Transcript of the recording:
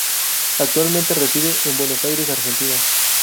Actualmente reside en Buenos Aires, Argentina.